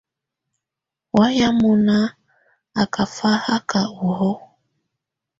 Wayɛ̀á mɔ́ná á ká fáhaká ɔhɔ̀ɔ̀.